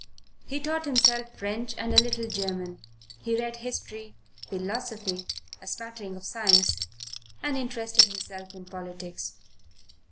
He taught himself French and a little German. He read history, philosophy, a smattering of science, and interested himself in politics.